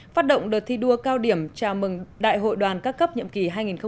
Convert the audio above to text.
phát động đợt thi đua cao điểm chào mừng đại hội đoàn các cấp nhiệm kỳ hai nghìn một mươi bảy hai nghìn hai mươi hai